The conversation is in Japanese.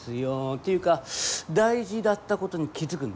ていうか大事だったことに気付くんですね。